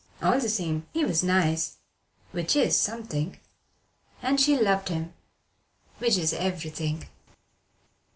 All the same, he was nice, which is something: and she loved him, which is everything.